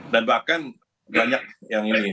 dan bahkan banyak yang ini